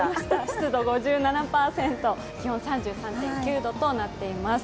湿度５７％、気温３３．９度となっています。